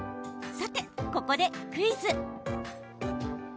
さて、ここでクイズ。